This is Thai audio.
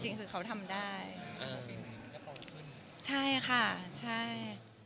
จริงคือเขาทำได้ใช่ค่ะใช่